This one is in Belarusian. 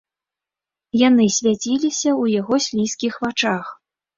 Яны свяціліся ў яго слізкіх вачах.